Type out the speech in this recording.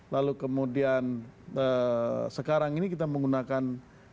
lalu kemudian sekarang ini kita menggunakan